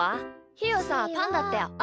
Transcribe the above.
ひーはさパンだったよ。